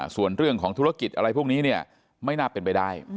ส่วนเรื่องของธุรกิจอะไรพวกนี้ไม่น่าเป็นไปได้